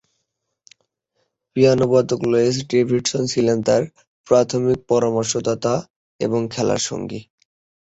পিয়ানোবাদক Lowell Davidson ছিলেন তার প্রাথমিক পরামর্শদাতা এবং খেলার সঙ্গী।